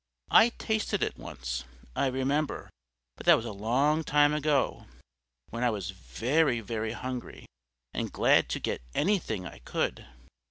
I tasted it once, I remember, but that was a long time ago, when I was very, very hungry, and glad to get anything I could."